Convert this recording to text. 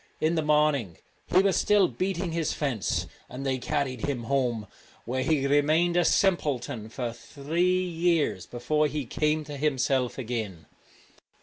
In the morning he was still beating his fence, and they carried him home, where he remained a simpleton for three years before he came to himself again.